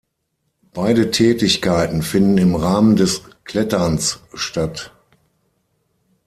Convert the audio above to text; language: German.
Beide Tätigkeiten finden im Rahmen des Kletterns statt.